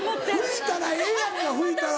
拭いたらええやんか拭いたら。